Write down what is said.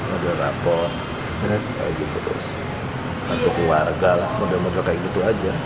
ada rapor ada keluarga mudah mudahan kayak gitu aja